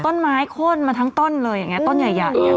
ต้นไม้โค้ดมาทั้งต้นเลยต้นหญะ